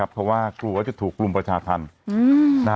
เพราะว่ากลัวจะถูกกลุ่มประชาธิภัณฑ์